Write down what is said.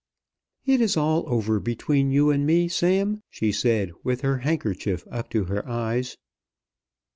"It is all over between you and me, Sam," she said with her handkerchief up to her eyes.